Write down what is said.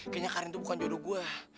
kayaknya karin tuh bukan jodoh gue